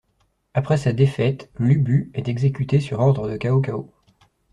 Après sa défaite, Lü Bu est exécuté sur ordre de Cao Cao.